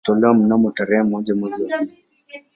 Ilitolewa mnamo tarehe moja mwezi wa pili